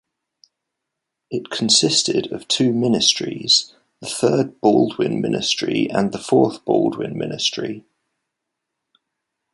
It consisted of two ministries: the third Baldwin ministry and the fourth Baldwin ministry.